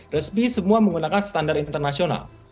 resmi semua menggunakan standar internasional